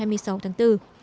đến ngày hai mươi sáu tháng bốn